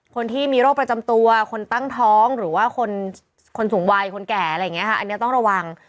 คนที่มีโรคประจำตัวคนตั้งท้องหรือว่าคนสูงวัยคนแก่อะไรอย่างนี้ค่ะอันนี้ต้องระวัง